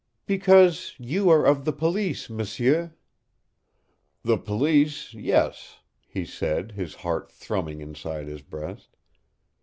"Because you are of the police, m'sieu." "The police, yes," he said, his heart thrumming inside his breast.